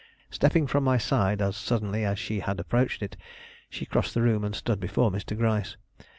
Stepping from my side as suddenly as she had approached it, she crossed the room and stood before Mr. Gryce.